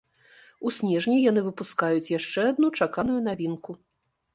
У снежні яны выпускаюць яшчэ адну чаканую навінку.